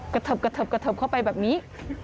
เทิบกระเทิบกระเทิบเข้าไปแบบนี้